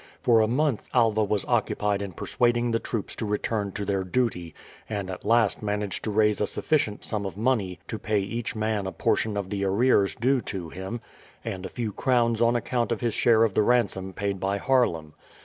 For a month Alva was occupied in persuading the troops to return to their duty, and at last managed to raise a sufficient sum of money to pay each man a portion of the arrears due to him, and a few crowns on account of his share of the ransom paid by Haarlem.